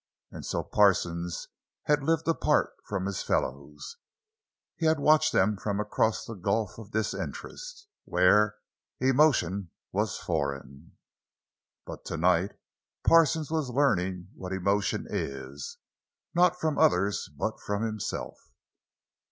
And so Parsons had lived apart from his fellows; he had watched them from across the gulf of disinterest, where emotion was foreign. But tonight Parsons was learning what emotion is. Not from others, but from himself.